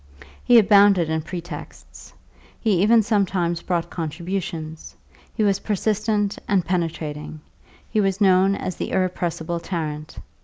He abounded in pretexts; he even sometimes brought contributions; he was persistent and penetrating, he was known as the irrepressible Tarrant.